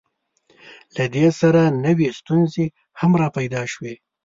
له دې سره نوې ستونزې هم راپیدا شوې.